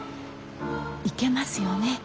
行けますよね